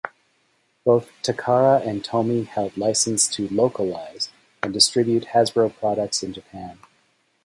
Both Takara and Tomy held licenses to "localise" and distribute Hasbro products in Japan.